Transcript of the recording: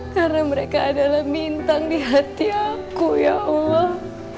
karena mereka adalah bintang di hati aku ya allah